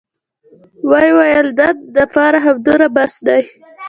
ويې ويل د نن دپاره همدومره بس دى.